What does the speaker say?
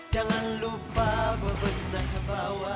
jangan lupa bebenah bawah